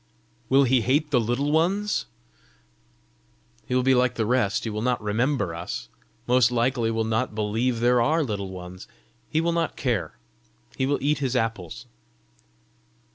"Will he hate the Little Ones?" "He will be like the rest; he will not remember us most likely will not believe there are Little Ones. He will not care; he will eat his apples."